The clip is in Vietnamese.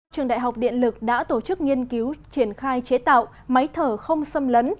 trường đại học điện lực đã tổ chức nghiên cứu triển khai chế tạo máy thở không xâm lấn